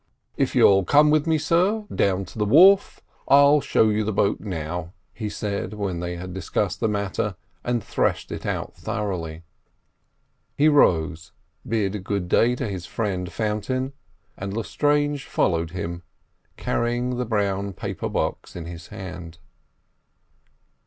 "If you'll come with me, sir, down to the wharf, I'll show you the boat now," he said, when they had discussed the matter and threshed it out thoroughly. He rose, bid good day to his friend Fountain, and Lestrange followed him, carrying the brown paper box in his hand.